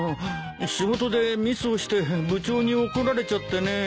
仕事でミスをして部長に怒られちゃってね。